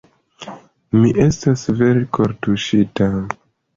Mi estas vere kortuŝita.